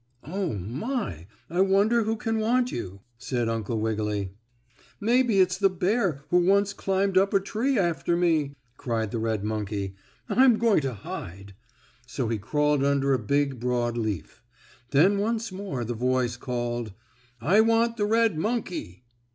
"Oh, my! I wonder who can want you?" said Uncle Wiggily. "Maybe it's the bear who once climbed up a tree after me," cried the red monkey. "I'm going to hide." So he crawled under a big, broad leaf. Then once more the voice called: "I want the red monkey!"